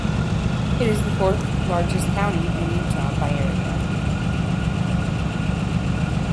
It is the fourth-largest county in Utah by area.